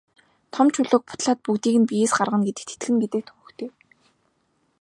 Том чулууг бутлаад бүгдийг нь биеэс гаргана гэдэгт итгэнэ гэдэг төвөгтэй.